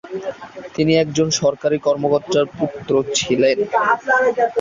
তিনি একজন সরকারি কর্মকর্তার পুত্র ছিলেন।